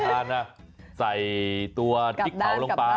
จะเอานะคะเวลาทานนะ